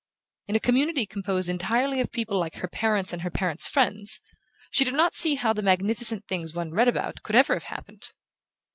In a community composed entirely of people like her parents and her parents' friends she did not see how the magnificent things one read about could ever have happened.